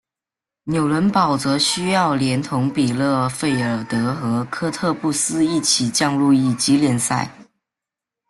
纽伦堡则需要连同比勒费尔德和科特布斯一起降入乙级联赛。